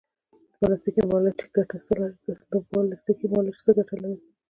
د پلاستیکي ملچ ګټه څه ده؟